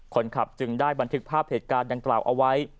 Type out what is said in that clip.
คนขับจึงได้บันทึกภาพเหตุการณ์ดังกล่าวเอาไว้